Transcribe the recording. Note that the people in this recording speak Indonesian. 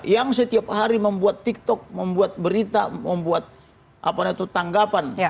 yang setiap hari membuat tiktok membuat berita membuat tanggapan